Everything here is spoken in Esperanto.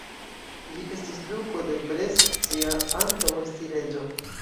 Li estis duko de Brescia antaŭ esti reĝo.